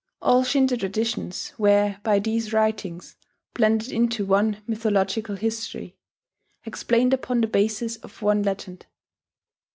All Shinto traditions were by these writings blended into one mythological history, explained upon the basis of one legend.